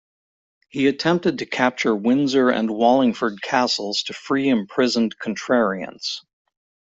He attempted to capture Windsor and Wallingford Castles to free imprisoned Contrariants.